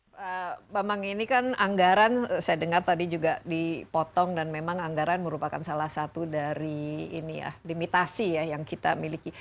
pak bambang ini kan anggaran saya dengar tadi juga dipotong dan memang anggaran merupakan salah satu dari limitasi ya yang kita miliki